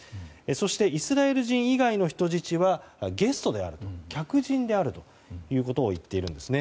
そしてイスラエル人以外の人質はゲストである客人であるということをいっているんですね。